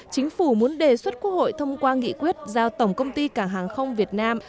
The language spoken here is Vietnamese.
chính phủ muốn đề xuất quốc hội thông qua nghị quyết giao tổng công ty cảng hàng không việt nam